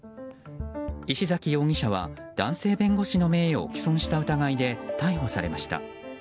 石崎容疑者は、男性弁護士の名誉を棄損した疑いで逮捕されました。